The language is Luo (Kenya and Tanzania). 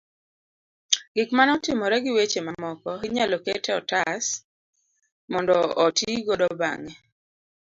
Gik mane otimore gi weche mamoko, inyalo kete otas mondo oti kodgi bang'e.